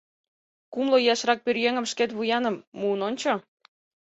Кумло ияшрак пӧръеҥым шкет вуяным муын ончо.